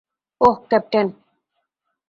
ওহ, captain.